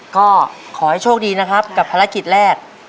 ก็ขอให้โชคดีนะครับกับภารกิจแรก